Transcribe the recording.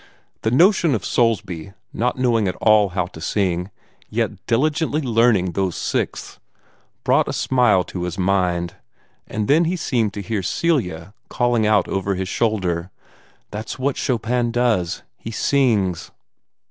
The notion of Soulsby, not knowing at all how to sing, yet diligently learning those sixths, brought a smile to his mind; and then he seemed to hear Celia calling out over her shoulder, "That's what Chopin does he sings!"